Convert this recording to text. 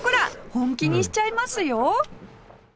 本気にしちゃいますよ